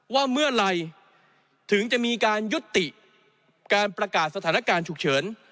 ว่าเมื่อไหร่ถึงจะมีการยุติการประกาศสถานการณ์ฉุกเฉิน